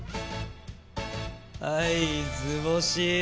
はい図星！